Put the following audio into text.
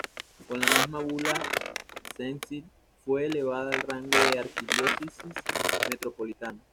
Con la misma bula, Przemyśl fue elevada al rango de arquidiócesis metropolitana.